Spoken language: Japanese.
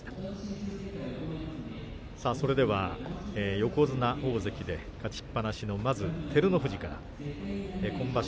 横綱、大関で勝ちっぱなしの照ノ富士から、あ今場所